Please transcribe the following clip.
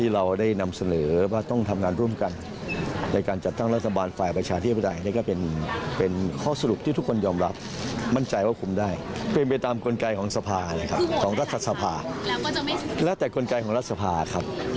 แล้วแต่กลไกของรัฐสภาครับ